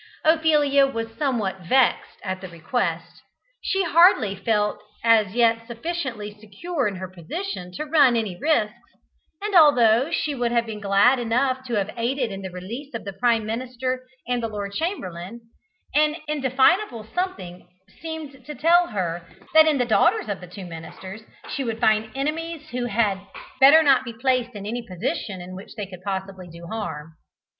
Ophelia was somewhat vexed at the request. She hardly felt as yet sufficiently secure in her position to run any risks, and, although she would have been glad enough to have aided in the release of the Prime Minister and the Lord Chamberlain, an indefinable something seemed to tell her that in the daughters of the two ministers she would find enemies who had better not be placed in any position in which they could possibly do harm.